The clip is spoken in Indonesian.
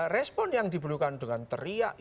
respon yang diperlukan dengan teriak